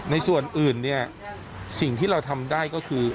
ในส่วนอื่นเนี่ยสิ่งที่เราทำได้ก็คือ